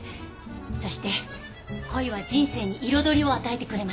そして恋は人生に彩りを与えてくれます。